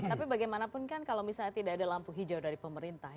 tapi bagaimanapun kan kalau misalnya tidak ada lampu hijau dari pemerintah